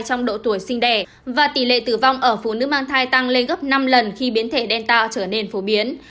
trong độ tuổi sinh đẻ và tỷ lệ tử vong ở phụ nữ mang thai tăng lên gấp năm lần khi biến thể đen tạo trở nên phổ biến